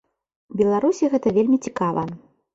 Беларусі гэта вельмі цікава.